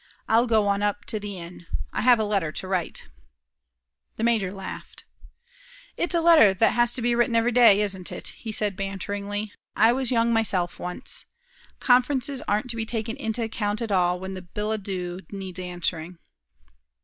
I'll go on up to the inn. I have a letter to write." The major laughed. "It's a letter that has to be written every day, isn't it?" he said, banteringly. "Well, I can sympathize with you, my boy. I was young myself once. Conferences aren't to be taken into account at all when a billet doux needs answering."